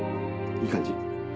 いい感じ。